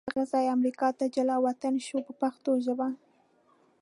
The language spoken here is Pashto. له هغه ځایه امریکا ته جلا وطن شو په پښتو ژبه.